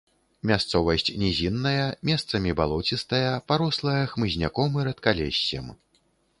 Мясцовасць нізінная, месцамі балоцістая, парослая хмызняком і рэдкалессем.